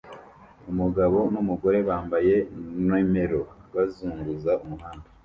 Umugabo numugore bambaye numero bazunguza umuhanda